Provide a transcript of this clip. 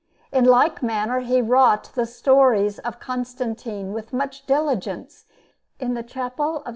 In like manner he wrought the stories of Constantine with much diligence in the Chapel of S.